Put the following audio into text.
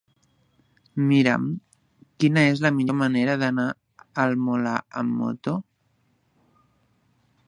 Mira'm quina és la millor manera d'anar al Molar amb moto.